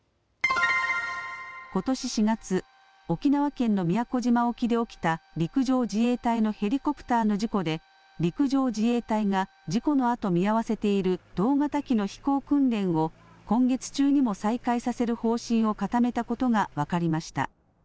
ことし４月、沖縄県の宮古島沖で起きた陸上自衛隊のヘリコプターの事故で陸上自衛隊が事故のあと見合わせている同型機の飛行訓練を今月中にも再開させる方針を固めたことが分かりました。